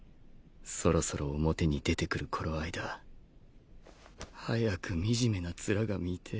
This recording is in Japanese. そろそろ表に出てくる頃合いだ早く惨めな面が見てぇ。